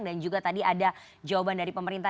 dan juga tadi ada jawaban dari pemerintah